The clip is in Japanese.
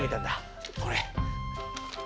これ。